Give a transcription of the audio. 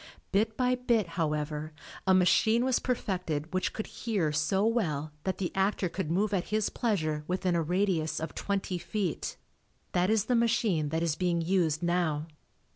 Bit by bit, however, a machine was perfected which could "hear" so well that the actor could move at his pleasure within a radius of twenty feet. That is the machine that is being used now.